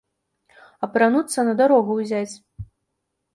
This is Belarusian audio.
Апрануцца, на дарогу ўзяць.